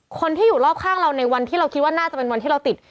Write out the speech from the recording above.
คนที่อยู่รอบข้างเราในวันที่เราคิดว่าน่าจะเป็นวันที่เราติด